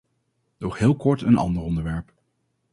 Nog heel kort een ander onderwerp.